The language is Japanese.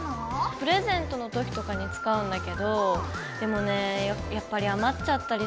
プレゼントの時とかに使うんだけどでもねやっぱり余っちゃったりするんだよね。